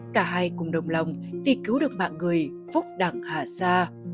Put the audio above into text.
cả hai cùng đồng lòng vì cứu được mạng người phúc đẳng hạ xa